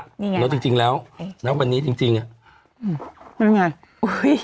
นี่ไงเนาะจริงจริงแล้วเนาะวันนี้จริงจริงอืมเป็นไงอุ้ย